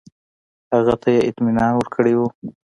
هغه ته یې اطمینان ورکړی وو.